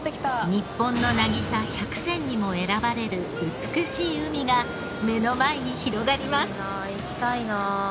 日本の渚１００選にも選ばれる美しい海が目の前に広がります。